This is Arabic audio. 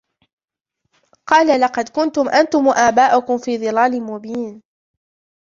قال لقد كنتم أنتم وآباؤكم في ضلال مبين